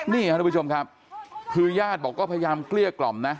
นี่ครับทุกผู้ชมครับคือญาติบอกก็พยายามเกลี้ยกล่อมนะ